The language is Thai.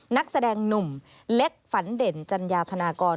นักแสดงหนุ่มเล็กฝันเด่นจัญญาธนากร